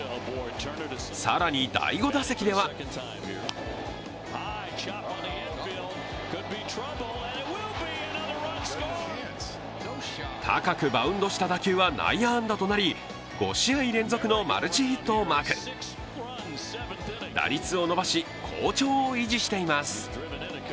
更に第５打席では高くバウンドした打球は内野安打となり、５試合連続のマルチヒットをマーク打率を伸ばし、好調を維持しています。